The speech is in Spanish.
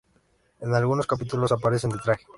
En algunos capítulos, aparece de traje.